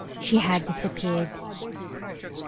She had disappeared.